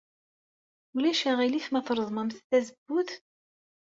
Ulac aɣilif ma treẓmemt tazewwut?